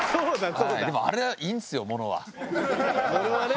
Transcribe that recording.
でもあれはいいんですよ物は。